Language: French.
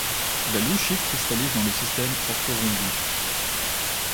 La lueshite cristallise dans le système orthorhombique.